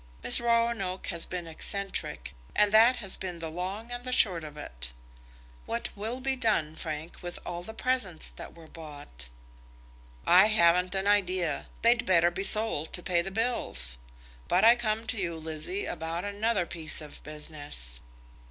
Miss Roanoke has been eccentric, and that has been the long and the short of it. What will be done, Frank, with all the presents that were bought?" "I haven't an idea. They'd better be sold to pay the bills. But I came to you, Lizzie, about another piece of business."